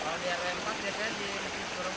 kalau di rw empat biasanya di mesir surabaya